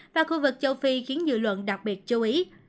và khu vực châu phi khiến dư luận đặc biệt chú ý